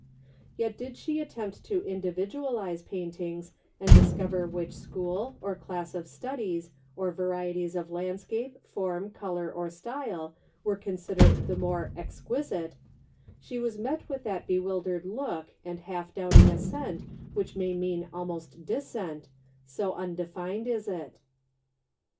Yet did she attempt to individualize paintings, and discover which school, or class of studies, or varieties of landscape, form, color, or style, were considered the more " exquisite," she was met with that bewildered look and half doubt ing assent which may mean almost dissent, so undefined is it.